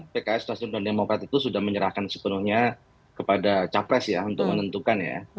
pks nasdem dan demokrat itu sudah menyerahkan sepenuhnya kepada capres ya untuk menentukan ya